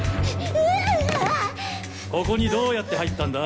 ここにどうやって入ったんだ？